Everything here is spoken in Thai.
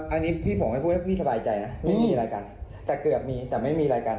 อันนี้พี่ผมไม่พูดให้พี่สบายใจนะไม่มีอะไรกันแต่เกือบมีแต่ไม่มีอะไรกัน